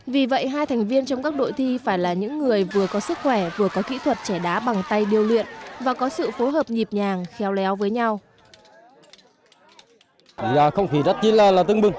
vì vậy hai thành viên trong các đội thi phải là những người vừa có sức khỏe vừa có kỹ thuật trẻ đá bằng tay điêu luyện và có sự phối hợp nhịp nhàng khéo léo với nhau